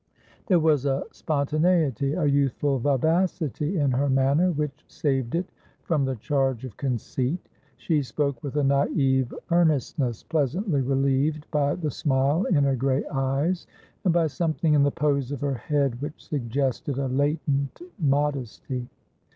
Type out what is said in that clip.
There was a spontaneity, a youthful vivacity, in her manner, which saved it from the charge of conceit; she spoke with a naive earnestness pleasantly relieved by the smile in her grey eyes and by something in the pose of her head which suggested a latent modesty.